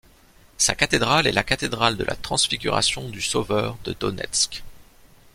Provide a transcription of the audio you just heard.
Sa cathédrale est la cathédrale de la Transfiguration du Sauveur de Donetsk.